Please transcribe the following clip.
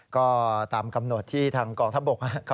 ก็ตามกำหนดที่ทางกองทัพบก